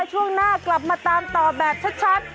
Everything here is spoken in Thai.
ช่วงหน้ากลับมาตามต่อแบบชัด